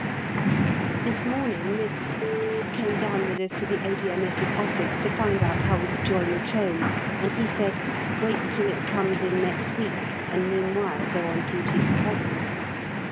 This morning Miss came down with us to the A.D.M.S.'s Office to find out how we could join the train, and he said: "Wait till it comes in next week, and meanwhile go on duty at the Hospital."